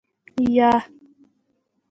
يه.